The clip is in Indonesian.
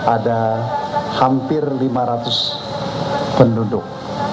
ada hampir lima ratus penduduk